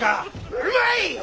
うまい！